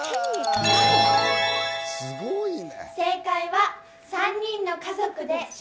すごいね。